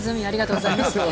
ありがとうございます。